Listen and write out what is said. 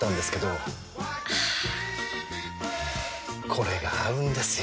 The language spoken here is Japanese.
これが合うんですよ！